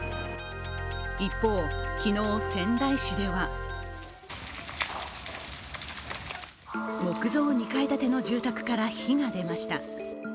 一方、昨日、仙台市では木造２階建ての住宅から火が出ました。